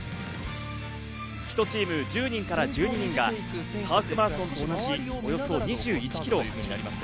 １チーム１０人から１２人がハーフマラソンと同じ、およそ２１キロを走ります。